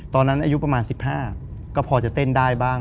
ตอนนั้นอายุประมาณ๑๕ก็พอจะเต้นได้บ้าง